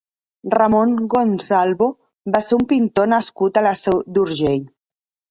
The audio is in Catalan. Ramon Gonçalvo va ser un pintor nascut a la Seu d'Urgell.